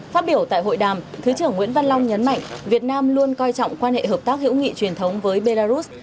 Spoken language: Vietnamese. phát biểu tại hội đàm thứ trưởng nguyễn văn long nhấn mạnh việt nam luôn coi trọng quan hệ hợp tác hữu nghị truyền thống với belarus